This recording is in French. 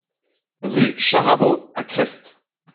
Rue Charabot à Crest